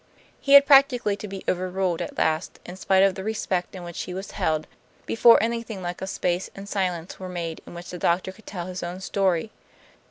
He had practically to be overruled at last, in spite of the respect in which he was held, before anything like a space and silence were made in which the doctor could tell his own story.